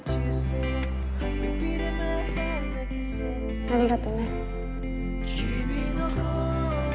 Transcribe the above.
ありがとね。